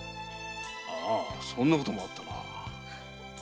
ああそんなこともあったな。